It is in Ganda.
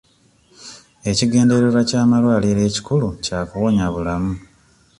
Ekigendererwa ky'amalwaliro ekikulu kya kuwonya bulamu.